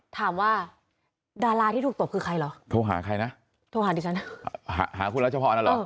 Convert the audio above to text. ถามว่าดาราที่ถูกตบคือใครเหรอโทรหาใครนะโทรหาที่ฉันหาหาคุณแล้วเฉพาะน่ะเหรอ